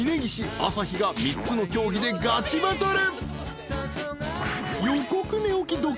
朝日が３つの競技でガチバトル］